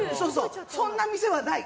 そんな店はない。